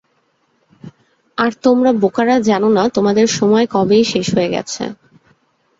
আর তোমরা বোকারা জানো না তোমাদের সময় কবেই শেষ হয়ে গেছে।